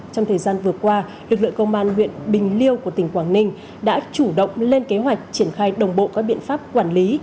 trong thời gian vừa qua lực lượng công an huyện bình liêu của tỉnh quảng ninh đã chủ động lên kế hoạch triển khai đồng bộ các biện pháp quản lý